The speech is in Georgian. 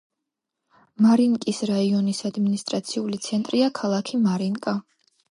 მარინკის რაიონის ადმინისტრაციული ცენტრია ქალაქი მარინკა.